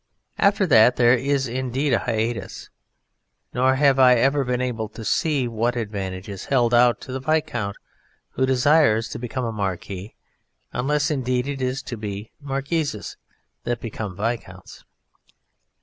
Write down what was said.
After that there is indeed a hiatus, nor have I ever been able to see what advantage is held out to the viscount who desires to become a marquis unless, indeed, it be marquises that become viscounts.